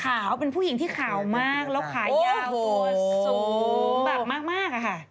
ขาวเป็นผู้หญิงที่ขาวมากแล้วขายาวตัวสูงแบบมากอะค่ะ